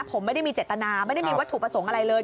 ผมไม่ได้มีเจตนาไม่ได้มีวัตถุประสงค์อะไรเลย